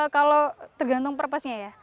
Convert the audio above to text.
kalau tergantung purpose nya ya